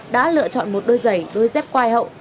đã lựa chọn một đôi giày đôi dép quai hậu